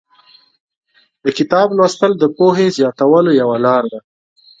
د کتاب لوستل د پوهې زیاتولو یوه لاره ده.